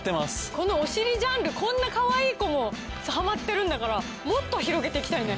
このおしりジャンルこんなかわいい子もハマってるんだからもっと広げていきたいね。